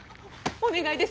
お願いです